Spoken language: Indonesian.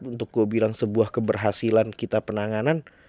untuk gue bilang sebuah keberhasilan kita penanganan